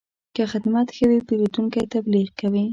که خدمت ښه وي، پیرودونکی تبلیغ کوي.